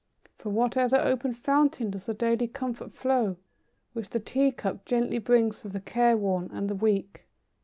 From what ever open fountain does the daily comfort flow which the tea cup gently brings to the care worn and the weak?"